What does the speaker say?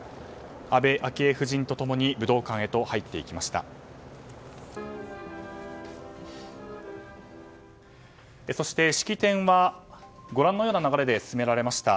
安倍昭恵夫人と共に武道館へと入っていきました。